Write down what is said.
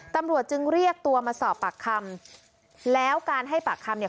ตำรวจจึงเรียกตัวมาสอบปากคำแล้วการให้ปากคำเนี่ย